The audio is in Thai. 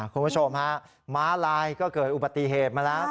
คุณผู้ชมฮะม้าลายก็เกิดอุบัติเหตุมาแล้ว